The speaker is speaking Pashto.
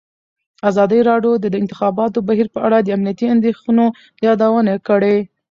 ازادي راډیو د د انتخاباتو بهیر په اړه د امنیتي اندېښنو یادونه کړې.